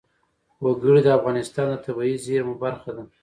وګړي د افغانستان د طبیعي زیرمو برخه ده.